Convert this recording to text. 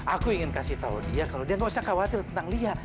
aku ingin kasih tahu dia kalau dia gak usah khawatir tentang dia